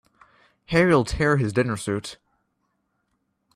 Harry'll tear his dinner suit.